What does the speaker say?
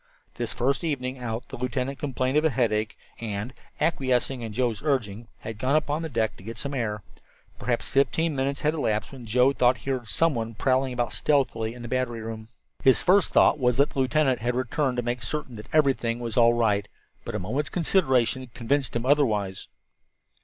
This first evening out the lieutenant complained of a headache, and, acquiescing in Joe's urging, had gone upon deck to get the air. Perhaps fifteen minutes had elapsed when Joe thought he heard someone prowling about stealthily in the battery room. His first thought was that the lieutenant had returned to make certain that everything was all right, but a moment's consideration convinced him otherwise.